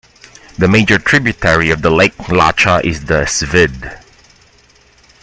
The major tributary of the Lake Lacha is the Svid.